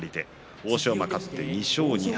欧勝馬、勝って２勝２敗。